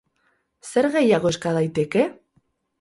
Zer gehiago eska daiteke?